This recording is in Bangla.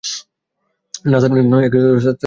না স্যার, বলেননি।